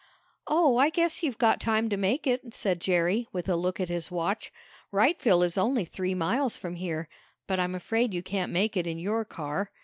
"Oh, I guess you've got time to make it," said Jerry, with a look at his watch. "Wrightville is only three miles from here. But I'm afraid you can't make it in your car."